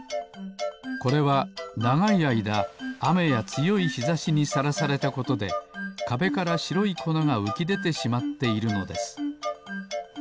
これはながいあいだあめやつよいひざしにさらされたことでかべからしろいこながうきでてしまっているのです。